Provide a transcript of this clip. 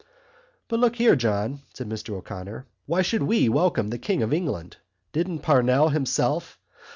"But look here, John," said Mr O'Connor. "Why should we welcome the King of England? Didn't Parnell himself...."